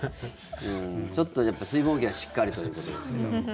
ちょっと水分補給はしっかりということですけども。